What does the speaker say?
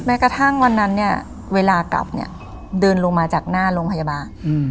กระทั่งวันนั้นเนี่ยเวลากลับเนี่ยเดินลงมาจากหน้าโรงพยาบาล